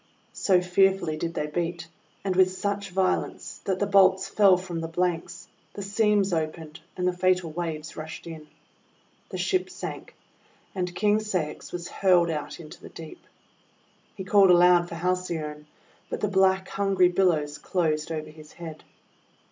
So fearfully did they beat, and with such vio lence, that the bolts fell from the blanks, the seams opened, and the fatal waves rushed in. The ship sank, and King Ceyx was hurled far out into the deep. He called aloud for Haley one, but the black hungry billows closed over his head.